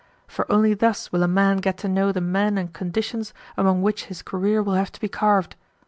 For only thus will a man get to know the men and conditions among which his career will have to be carved.